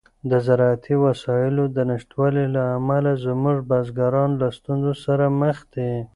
د زراعتي وسایلو د نشتوالي له امله زموږ بزګران له ستونزو سره مخ دي.